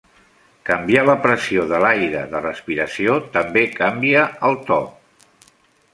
Canviar la pressió de l'aire de respiració també canvia el to.